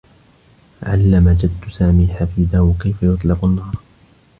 علّم جدّ سامي حفيده كيف يطلق النّار.